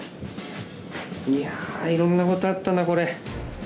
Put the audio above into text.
いやいろんなことあったなこれ。